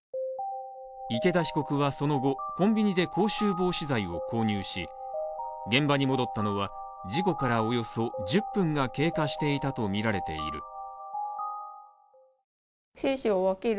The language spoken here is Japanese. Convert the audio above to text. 池田被告はその後、コンビニで口臭防止剤を購入し、現場に戻ったのは事故からおよそ１０分が経過していたとみられている。